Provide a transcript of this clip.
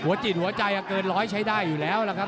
หัวจิตหัวใจอะเกิน๑๐๐ใช้ได้อยู่แล้วครับ